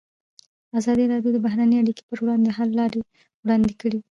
ازادي راډیو د بهرنۍ اړیکې پر وړاندې د حل لارې وړاندې کړي.